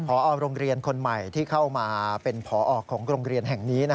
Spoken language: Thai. พอโรงเรียนคนใหม่ที่เข้ามาเป็นผอของโรงเรียนแห่งนี้